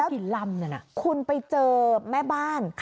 แล้วคุณไปเจอแม่บ้าน